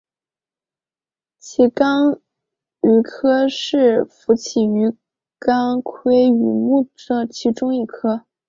奇肛鲈科是辐鳍鱼纲鲑鲈目的其中一科。